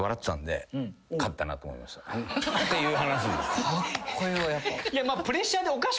っていう話です。